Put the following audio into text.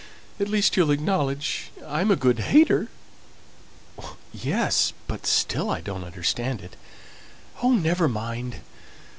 "At least you'll acknowledge I'm a good hater!" "Yes. But still I don't understand it." "Oh, never mind!